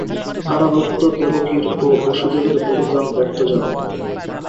কারারুদ্ধ দেবকীর ও বসুদেবের বলিদান ব্যর্থ যাবে না।